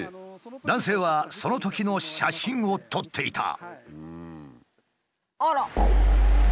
男性はそのときの写真を撮っていた。